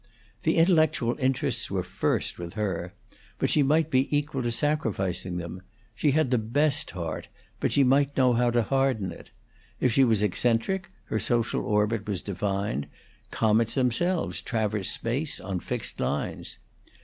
The intellectual interests were first with her, but she might be equal to sacrificing them; she had the best heart, but she might know how to harden it; if she was eccentric, her social orbit was defined; comets themselves traverse space on fixed lines.